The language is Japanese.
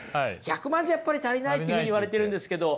１００万じゃやっぱり足りないというふうに言われてるんですけど。